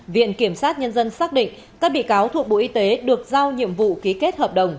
viện kiểm sát nhân dân xác định các bị cáo thuộc bộ y tế được giao nhiệm vụ ký kết hợp đồng